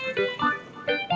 aduh aku bisa